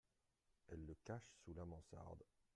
Elle le cache sous la mansarde.